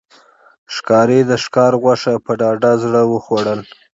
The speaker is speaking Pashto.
ښکاري د ښکار غوښه په ډاډه زړه وخوړل.